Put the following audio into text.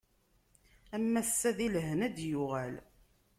Am wass-a di lehna ad d-yuɣal.